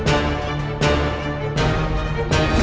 sampai jumpa lagi